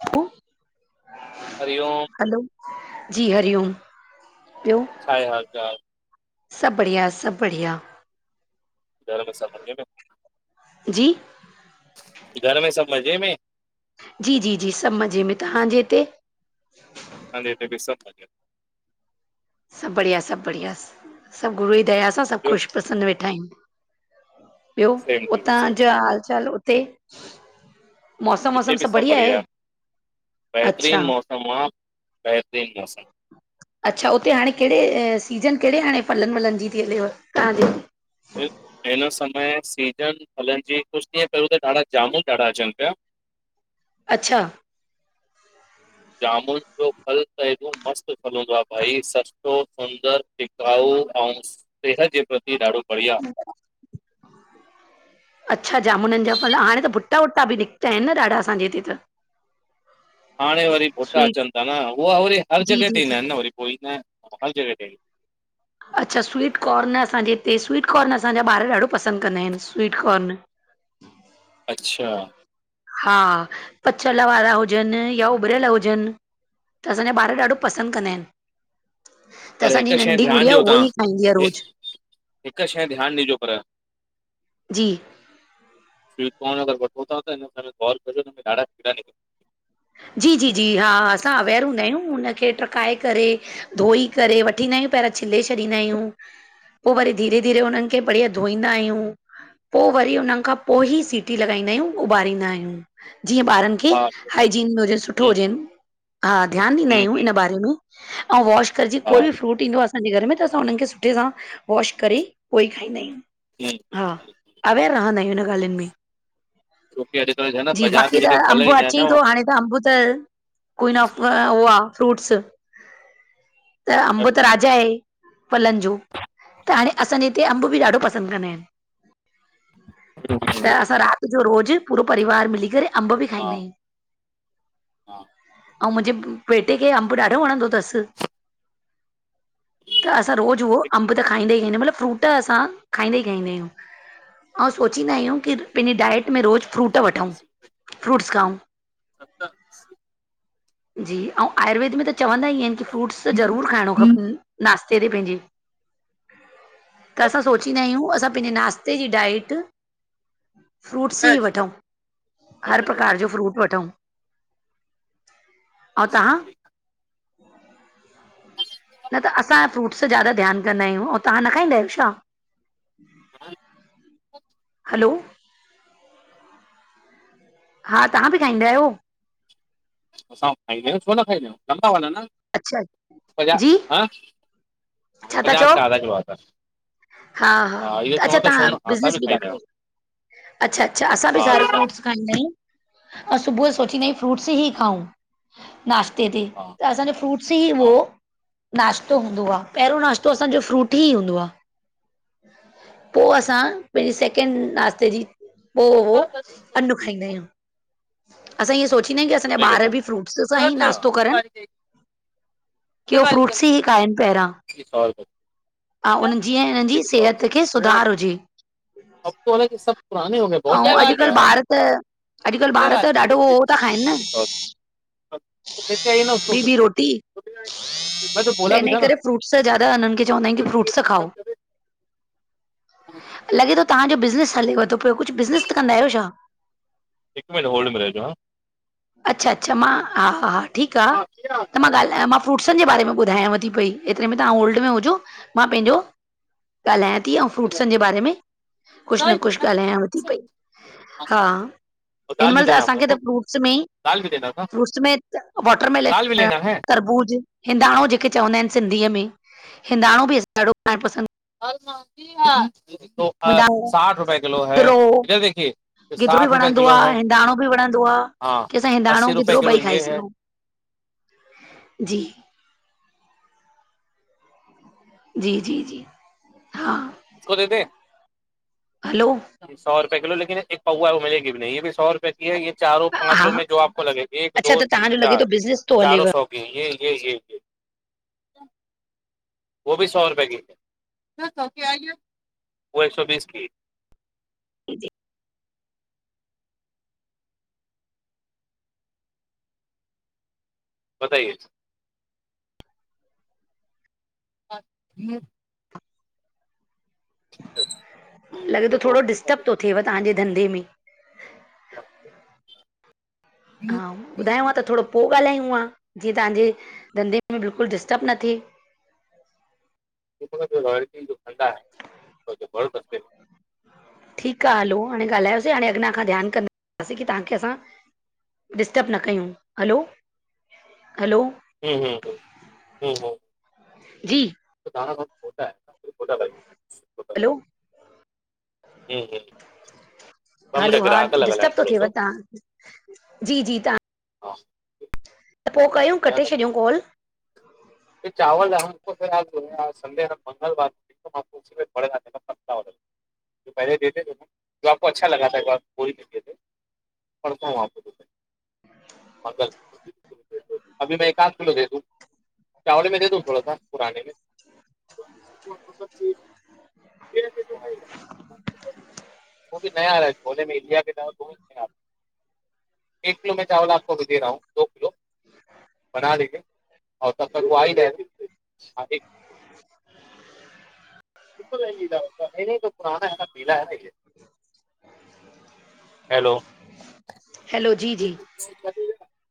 उ [unintelligible] हरी ओम। हलो, जी हरिओम ॿियो? छाहे हाल चाल? सब बढ़िया सब बढ़िया। घर में सब मज़े में जी घर में सब मज़े में? जी जी जी सब मज़े में, तव्हांजे हिते? असाजे हिते भी सब मज़े में। सब बढ़िया सब बढ़िया सब गुरूअ जी दया सां सब में ॿियो ख़ुश प्रसंन वेठा आहियु। ॿियो, सेम टू यू उतां सेम जा हाल चाल उते मौसम हिते वौसम बि सभु सब आहे बढ़िया, अच्छा बहेतरीन मौसम आ बहेतरीन मौसम आ। अच्छा उते हाणे कहिड़े सीजन कहिड़े हाणे फल फलन जी थी हलेव तव्हांॾे? हिन समय सीजन फलन जी कुछ ॾींहं पहिरयों त ॾाढा जामुन ॾाढा अचन पिया। अच्छा जामुन जो फल त हेॾो मस्त फल हुंदो आ भाई स सुठो सुंदर टिकायो अऊ सेहत से प्र अच्छा जामुनन जा फल हाणे त भुटा भुटा वुटा बि निकता आहिन ॾाढा असांजे हिते त। हाणे वरी भुटा स्वीट अचन था न उहा वरी हर जी जॻह जी ते जी ईंदा आहिन न वरी पो न हर जॻह तें ईंदा आहिन। अच्छा स्वीटकॉर्न असांजे हिते स्वीटकॉर्न असांजा ॿार ॾाढो पसंद कंदा आहिन स्वीटकॉर्न। अच्छा! हा पचल वारा हुजन या उबरयल हुजन। त असांजा ॿार ॾाढो पसंद कंदा आहिन। त पर असांजी हिक शइ नंढी ध्यानु गुड़िया ॾियो उहो तव्हां ही खाईंदी आ रोज़। हिक शइ ध्यान ॾिजो पर। जी स्वीट कॉर्न अगर वठो था हिन समय गोर कजो त ॾाढा कीड़ा निकरंदा जी जी जी हा असां अवेर हूंदा आहियूं हुनखे ट्रकाए करे धोई करे वठींदा आहियूं पहिरां छिले छॾींदा आहियूं पो वरी धीरे धीरे हुन्न खे बढ़िया धोईंदा आहियूं। पो वरी उनन खां पो ही सीटी लॻाईंदा आहियूं उॿारींदा आहियूं जीअं ॿारन खे हा हम्म हाइजीन भी हुजे सुठो हुजेन, हा ध्यान ॾींदा हम्म आहियूं हम्म हिन बारे में। अऊ वॉश कर जी हा कोई बि फ्रूट ईंदो आ असांजे घर में त असां हुनन खे सुठे सां वॉश करे पो ही खाईंदा आहियूं। जी हा, अवेयर रहंदा आहियूं हिन ॻाल्हियुनि में। छोकी अॼुकल्ह छा आहे न जी बाज़ार में बाक़ी त जेके फल अंब ईंदा आहिनि अचै न ई तो उहे हाणे अंब त क्वीन ऑफ, उहो आ फ्रूट्स। त अबं त राजा आहे फलन जो त हाणे असांजे हिते अम्ब बि ॾाढो पसंद कंदा आहिन। त असां रात जो रोज़ पूरो परिवार मिली करे अम्ब भी हा खाईंदा आहियूं। हा आऊ मुंजे बेटे खे अंब ॾाढो वणंदो तस। त असां रोज़ उहो हिक मिंट अम्ब त खाईंदा ही आहियूं मतलब फ्रूट असां खाईंदे ही खाईंदा आहियूं अऊ सोचींदा आहियूं कि पंहिंजी डाइट में रोज़ फ्रूट वठूं। सत फ्रूटस खाऊ। [unintelligible] जी अऊ आयुर्वेद में त चवंदा ही आहिन की फ्रूट्स त ज़रूर खाइणो खपे। नाश्ते ते पंहिंजे त असां सोचींदा आहियूं असां पंहिंजे नाश्ते जी डाइट फ्रूट्स ई पंकज वठूं ॿ हर मिंट प्रकार होल्ड जा फ्रूट ओं असां तव्हां न त असां फ्रूट्स ज्यादा ध्यान कंदा आहियूं, ऐं तव्हां न खाईंदा आहियो छा? हा [unintelligible] हलो हा, तव्हां बि खाईंदा आहियो? असां ॿि खाईंदा आयूं, छो न खाईंदायूं न था वञा, अच्छा [unintelligible] पजा, जी ह छा था चओ पचास का आधा किलो आता हा हा इहो त अच्छा, चवां थो छो तव्हां न असां बिज़नेस बि ॿि था खाईंदा आहियूं कयो। अच्छा अच्छा, असां ॿि हा सार फ्रूटस खाईंदा आंयूं अउं, सुबुह सोचिंदा आयूं, फ्रूट्स ई खाऊं। नाश्ते ते, हा त असांजो फ्रूट्स ई उहो हा नाश्तो हूंदो आ। पहिरियों नाश्तो असांजो फ्रूट ई हूंदो आ। पो असां, पंहिंजे सैकेंड नाश्ते जी, पो अन्नु खाईंदा आहियूं। असां इअं सोचींदायूं कि असांजा दूल्हे के ॿार दिन ॿि फ्रूट्स सां ई नास्तो करन। के हू फ्रूट्स ई खाइंन पैरां जी सौ रु [unintelligible] ह उननि जी उनि जी सेहत खे रुपये सुधारु हुजे। अब तो है ना कि सब पुराने होे ऐं अॼुकल्ह गए। ॿार त अॼुकल्ह ॿार त ॾाढो उहो था खाइनि न [unintelligible] ते आई न ॿी ॿी [unintelligible] रोटी त हिन करे फ्रूट्स ज्यादा हिननि खे चवंदा आहियूं कि फ्रूट्स खाओ। लॻे थो तव्हांजो बिज़नेस हलेव थो पियो, कुझु बिज़नेस त कंदा आहियो छा? हिकु मिनट होल्ड में रहजो, हा। अच्छा अच्छा, मां हा हा हा ठीकु आ। हाँ त मां ॻाल्हि, मां फ्रूट्सनि जे बारे में ॿुधायांव थी पेई, एतिरे में तव्हां होल्ड में हुजो, मां पंहिंजो ॻाल्हायां थी ऐं फ्रूट्सनि जे बारे में कुझु न कुझु ॻाल्हायांव थी पई। हा और हिन दाल भी महिल त देना आप असांखे लोगों त को फ्रूट्स मेंइ दाल भी देना था फ्रूट्स में वॉटर दाल भी मेलन, लेना है तरबूज हिंदाणो जेके चवंदा आहिनि सिंधीअ, में हिंदाणो बि असां ॾाढो खाइण पसंदि [inaudible] हिंदाणो साठ रुपए किलो है, इधर देखिए। गिदरो बि साठ रुपए वणंदो किलो आ, है हिंदाणो बि वणंदो आ, हाँ असां अस्सी हिंदाणो रुपए गिदरो किलो ॿई ये खाईंदा है आहियूं। जी जी जी जी, हा। कुझको थ ते [unintelligible] हलो सौ रुपए किलो, लेकिन हिकु पआ मिलेगी भी नहीं हीअ बि सौ रुपए इन चारो हा पांचो में जो आपको लॻे, एक अच्छा दो त तव्हांजो तीन लॻे चार, थो बिज़नेस थो चारो हलेव सौ [unintelligible] वो भी सौ रुपए की, [unintelligible] वो एक सौ बीस की बताइए ह ह [unintelligible] लॻे थो देखो, थोड़ो हम दूसरा डिस्टब थो थिएव तव्हांजे धंधे में। च [unintelligible] हा ॿुधायांव त थोड़ो पो ॻाल्हायूं हा, जीअं तव्हांजे धंधे में बिल्कुल डिस्टब न थिए त रॉयल्टीन जो खंदा आहे ब कस [unintelligible] ठीक आ हलो हाणे ॻाल्हयोसीं, हाणे अॻियां खां ध्यानु कंदासीं कि तव्हांखे असां डिस्टब न कयूं, हलो हलो हम्म हमम जी दा भ [unintelligible] हलो हूं हूं हेलो हा डिस्टब थो थेव तां जी जी तां हा पो कयूं नया कटे लॻे छॾियूं कॉल चावल [unintelligible] संडे मंगलवार [unintelligible] जो पहले देते थे जो आपको अच्छा लगा था वहीं देते थे पढ़तो आ [unintelligible] अभी में एक आध किलो दे दू चावल में दे दू थोड़ा सा पुराने में? [unintelligible] वो बि नया है [unintelligible] हो जन इंडिया में एक किलो चावल मैं आपको अभी दे रहा हूं दो किलो बना लीजिए। आऊं सब तो [unintelligible] बिल्कुल ई ये तो पुराना है न पीला है न ये [unintelligible] हेलो हेलो जी जी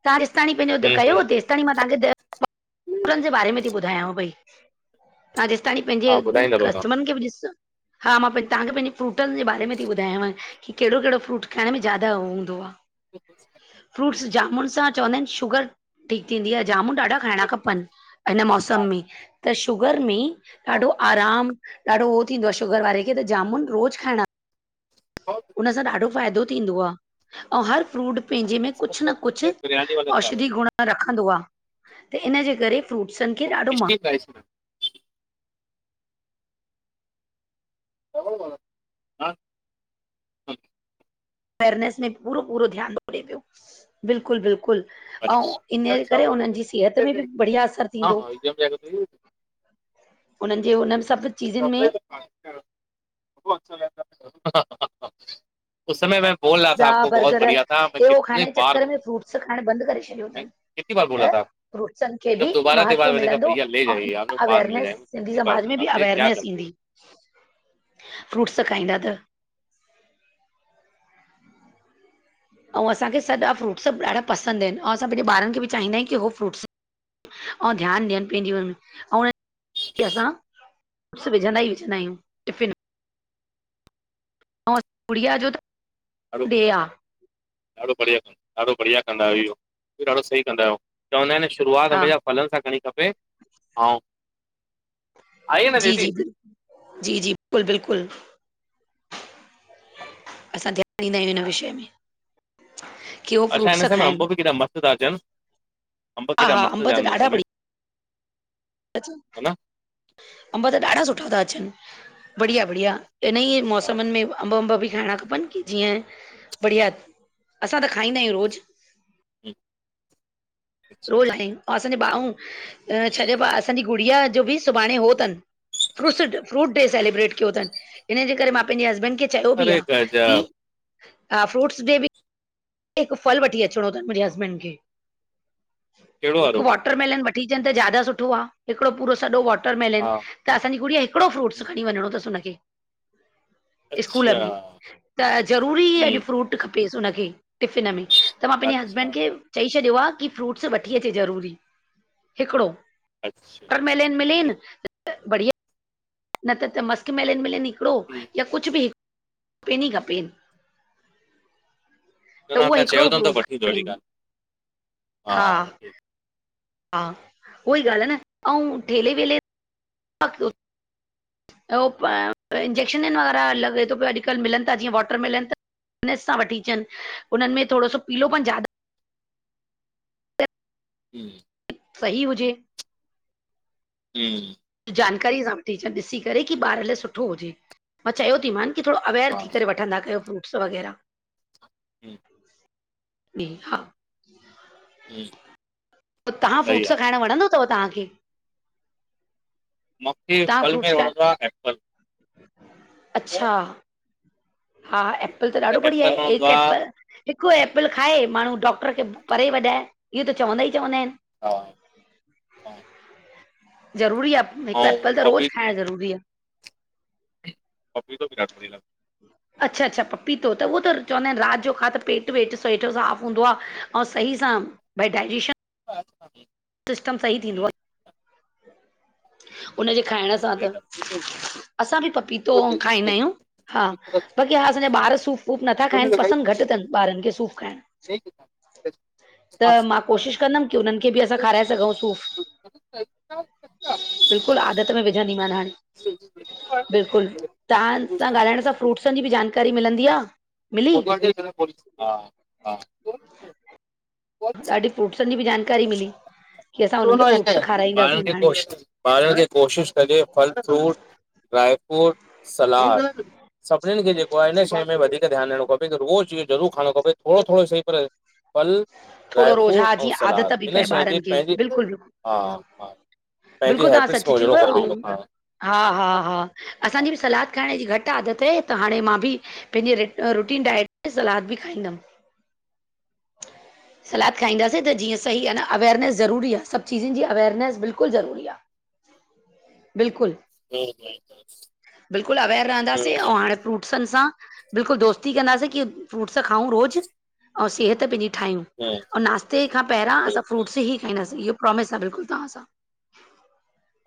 तां जेसताणी पैंजो अध हम्म कयो हम्म तेसताणी मां तहांखे उनन हम्म। जे बारे में ती ॿुधायांव पई तां जेसताणी पैंजे हा ॿुधाईंदो रहंदो कस्टमरन खे बि ॾिस हा मां तांखे पहिजे फ्रूटन जे बारे में ती ॿुधायांव कि केड़ो केड़ो फ्रूट खाइण में ज्यादा हो हूंदो आ [inaudible] फ्रूट्स जामुन सां चवंदा इन शुगर ठीक थींदी आ जामुन ॾाढा खाइणा खपन हिन मौसम हा में, त शुगर में ॾाढो आराम ॾाढो हो थींदो आ शुगर वारे खे त जामुन रोज खाइणा हा उन सां ॾाढो फ़ाइदो थींदो आ अऊं हर फ्रूट पैंजे में इस को हम कुछ न लोग कुछ बोलते हैं बिरयानी वाला चावल औषधी गुण रखंदो आ त इनजे करे फ्रूटसन खे ॾाढो महत्व ठीक आ [unintelligible] हाँ हाँ, अवेयरनेस में पूरो पूरो ध्यान रखे पियो बिल्कुल बिल्कुल अऊं अच्छा या इनजे करे चावल तो उनन फिर जी सेहत इससे में बि रहेगा। बढ़िया असर हाँ थींदो हाँ एकदम जाकर तो ये- उन्हनि जे उनन सभ [unintelligible] उस समय में बोल रहा था पिज़्ज़ा आपको बहुत बढ़िया था कितने बार सिखाइण बंद करे छॾियो मैं तन। कितनी बार बोला त था आपको? फ्रूटसन खे बि जब दोबारा महत्व दोबारा मैंने कहा मिलंदो भैया ले ऐं जाइए आप लोग बाद में ले अवेयरनेस जाएंगे सिंधी कितनी बार समाज में बोला बि मैं क्या अवेरनेस करती हूँ ईंदी फ्रूट्स खाईंदा त अऊं असांखे सॾा फ्रूट्स ॾाढा पसंद आइन अऊं असां पंहिंजे ॿारन खे बि चाहींदा आयूं तकि हो फ्रूट्स अऊ़ ध्यान ॾियन पैंजी हुन, अऊं उनन खे असां असां विझंदा ई विझंदा आयूं टिफ़िन में। अऊं गुड़िया जो त अरे [inaudible] डे आहे ॾाढो बढ़िया, ॾाढो बढ़िया कंदा आयो आयो हे, ॾाढो सही कंदा आयो, चवंदा आइन न शुरुआत हा हमेशा फलन सां करणी खपे अऊं जी- जी, बिल, जी- जी, बिल्कुल- बिल्कुल। असां ध्यान ॾींदा आयूं इन विषय में। की उहो अच्छा हिन फ्रूट्स समय अम्ब खाइनि बि केॾा मस्त ता अचन, अम्ब हा केॾा हा मस्त अंब अचन हिन समय। अम्ब त ॾाढा सुठा ता अचन, बढ़िया- बढ़िया इन ई हा मौसमन में अम्ब- अम्ब बि खाइणा खपन जीअं बढ़िया, असां त खाईंदा आयूं रोज़। अच्छा रोज़ आयूं, असांजी ॿाऊं छॾे, असांजे गुड़िया जो बि सुभाणे हो तन फ्रुटस फ्रूट डे सेलिब्रेट कयो थ़नि, हिन जे करे मां पंहिंजे हसबैंड खे चयो बि अरे आ कि गजब आ फ्रूट्स डे बि हिक फल वठी अचणो थन मुंहिंजे हसबैंड खे, कहिड़ो वारो हिकु व वॉटर मेलन वठी अचन त ज्यादा सुठो आ, हिकिड़ो पूरो सॼो वॉटर हा मेलन। त असांजी गुड़िया, हिकिड़ो फ्रूट्स खणी वञिणो अथसि हुनखे स्कूल अच्छा में, त ज़रूरी अॼु हम्म फ्रूट खपेस हुनखे टिफ़िन में। त मां पंहिंजे हस्बैंड अच्छा ख़े चई छॾियो आ कि फ्रूट्स वठी अचे ज़रूरी, हिकिड़ो। अच्छा [inaudible] वापर मेलेन मिलेन, त बढ़िया न त- त मस्क मेलेन मिले हिकिड़ो ठीकु या कुछ बि हिक खपेन ही खपेन। न त न उहो तव्हां चयो हिकिड़ो अथनि त फ्रूट वठी ईंदो अहिड़ी खपेन, ॻाल्हि हा। वठी ईंदो। हा उहाई ॻाल्हि आ न, ऐं ठेले वेले अफसोस [inaudible] इंजेक्शनन वारा लॻे थो पियो अॼुकल्ह मिलन था, जीअं वॉटर मिलनि त ध्यान सां वठी अचन, उन्हनि में थोड़ो सो पीलो पन ज्य जी। सही हुजे। हम्म जानकारी सां वठी अचन ॾिसी करे कि ॿार लाइ सुठो हुजे, मां चयो थि मान। थोड़ो अवेयर हा थी क़रे वठंदा कयो फ्रूट्स वग़ैरह। हम्म इहा। [unintelligible] जी। [inaudible] तव्हां, फ्रूट्स खाइण वणंदा अथव, तहांखे? मूंखे तव्हां फल में फ्रूट्स खाइण वणंदो आ ऐप्पल। अच्छा, हा ऐप्पल त ॾाढो बढ़िया एप्पल आहे, वणंदो एक आहे ऐपल हिक ऐप्पल खाए माण्हू डॉक्टर खे परे भॼाए, इहो त चवंदा ई चवंदा आहिन। हा हा। ज़रूरी आ, हिक ऐं ऐप्पल त रोज पपी खाइण ज़रूरी आ। पपीतो बि जाम [unintelligible] अच्छा-अच्छा, पपीतो, त उहो त चवंदा आहिन रात जो खा पेट वेट साफ़ु हूंदो आ। और सई-सां बेड ड्राइजेशन अच्छाछ हा। सिस्टम सही थींदो आ हुनजे खाइण सां सही त। ॻाल्हि आहे असां ॿि पपीतो खाईंदा आयूं हा बाक़ी हा असांजा ॿार सूफ। सूफ नथा खाइन पसंद घट तन ॿारन खे सूफ खाइण। ठीक सा। त मां कोशिश कंदम कि उनन खे ॿि असां खाराए सघूं सूफ़। बिल्कुल हा आदत में विझंदी मांन हाणे। बिल्कुल, तां सां ॻालाइण सां फ्रूट्सन ॼी ॿि जानकारी मिलंदी आ। [unintelligible] बस अॼ फ्रुटसन ॿि जान दोन व जी खाराईंदासीं हाणे गोष [unintelligible] ॿारन खे कोशिश कजे फल फ्रूट, ड्राईफ्रूट सलाद सभिन खे जेको आये इन शइ में वधिक तोखे ध्यान ॾियणो खपे रोज़ इयो जरूर खाइण खपे थोरो- थोरो सी पर फल, थोरो ड्राई रोज़ फ्रूट हा ऐं जीअं आदत सलाद। बि हिन पए शइ ॿारनि ॼी खे पैंजी बिल्कुलु बिल्कुलु हा-हा पैंजी हेैबिट्स में हुजणो खपे इयो। हा-हा-हा, असांजी ॿि सलाद खाइण ॼी घट आदत आये त हाणे मां ॿि। पैंजी रिट रुटीन डाइट में सलाद ॿि खाईंदम। ह सलाद खाईंदासीं त जीअं सही आ न अवेयरनेस ज़रूरी आ सॿ चिज़न ॼी अवेरनैस बिल्कुल ज़रूरी आ। बिल्कुल बिल्कुलु अवेयर रहंदासीं ऐं हाणे फ्रूट्सनि सां बिल्कुल दोस्ती कंदासीं कि फ्रूट्स खाऊं रोज़ ऐं सेहत पैंजी ठायूं। ऐं नाश्ते खां पैंरां असां बिल्कुलु फ्रूट्स ई खाईंदासीं इयो प्रोमिस आ बिल्कुल तांसां।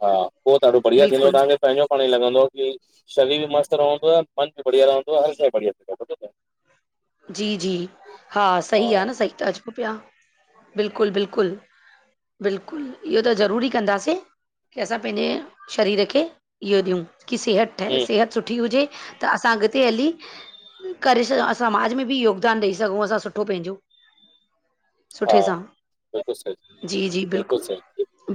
हा पो ॾाढो बढ़िया थींदो बिल्कुलु तांखे पैंजो पाणे ई लॻंदो की शरीर ॿि मस्त रहंदो आ मन ॿि ॿढिया रहंदो आ हर शइ बढिया रहंदी आ समझो ता। जी-जी हा सही आ न सही त चयो पया बिल्कुल-बिल्कुल। बिल्कुल इयो त ज़रूरी कंदासीं। की असां पैंॼे शरीर खे इयो ॾियूं की सेहत ठये हम्म सेहत सुठी हुजे त असां अॻते हली करे सघ समाज में ॿि योगदान ॾेई सघूं असां सुठो पैंॼो। हा सुठे सां बिल्कुलु सही जी-जी बिल्कुलु बिल्कुल। सही